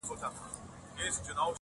په رڼا ورځ چي په عصا د لاري څرک لټوي،